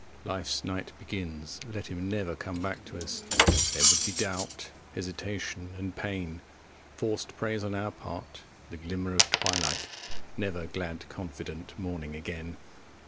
Life's night begins; let him never come back to us! 25 There would be doubt, hesitation and pain, Forced praise on our part the glimmer of twilight, Never glad confident morning again!